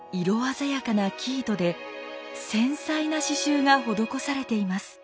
色鮮やかな生糸で繊細な刺繍が施されています。